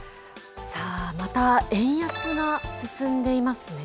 さあ、また円安が進んでいますね。